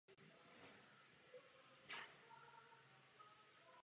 Republika byla zemědělského a venkovského charakteru s poměrně rozvinutou železniční sítí.